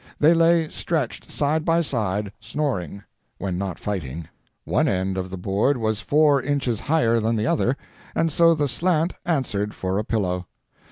They lay stretched side by side, snoring—when not fighting. One end of the board was four inches higher than the other, and so the slant answered for a pillow.